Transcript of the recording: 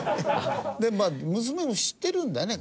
でまあ娘も知ってるんだよね